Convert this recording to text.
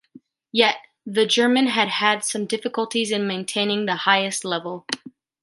Yet, the German had had some difficulties in maintaining the highest level.